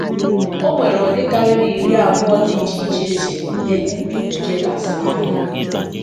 Onwere ụdị karịrị iri abụọ dị iche iche esi ebute nje "Leshmanịa".